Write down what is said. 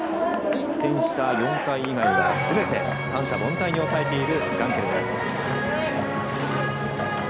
失点した４回以外はすべて三者凡退に抑えているガンケルです。